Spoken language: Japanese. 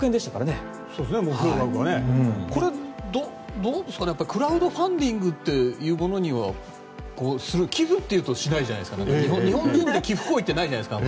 これどうですかねクラウドファンディングというものにするとする寄付と言うとしないじゃないですか日本人って寄付行為ってないじゃないですか。